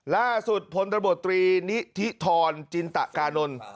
ล่าสุดพลตบตรีนิธิธรจินตะกานนท์